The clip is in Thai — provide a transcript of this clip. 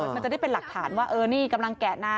มันจะได้เป็นหลักฐานว่าเออนี่กำลังแกะนา